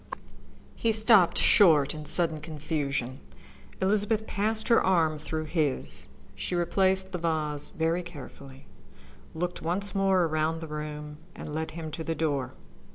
He stopped short in sudden confusion. Elizabeth passed her arm through his. She replaced the vase very carefully, looked once more around the room, and led him to the door.